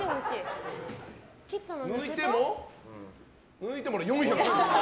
抜いても、４３５ｇ。